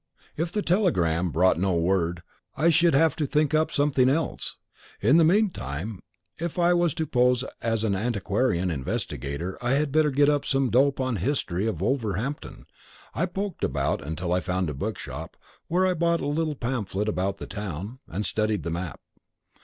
If the telegram brought no word I should have to think up something else. In the meantime, if I was to pose as an antiquarian investigator I had better get up some dope on the history of Wolverhampton. I poked about until I found a bookshop, where I bought a little pamphlet about the town, and studied a map.